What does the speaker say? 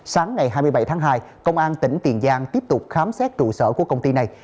sáng ngày hai mươi bảy tháng hai công an tỉnh tiền giang tiếp tục khám xét trụ sở của công ty này